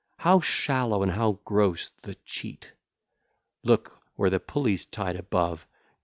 How shallow, and how gross, the cheat! Look where the pulley's tied above!